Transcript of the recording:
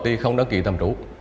thì không đăng ký thẩm trú